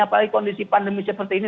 apalagi kondisi pandemi seperti ini